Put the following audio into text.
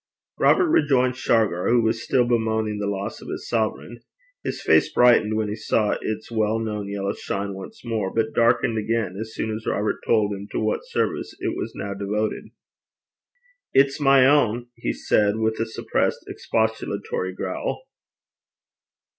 Robert rejoined Shargar, who was still bemoaning the loss of his sovereign. His face brightened when he saw its well known yellow shine once more, but darkened again as soon as Robert told him to what service it was now devoted. 'It's my ain,' he said, with a suppressed expostulatory growl.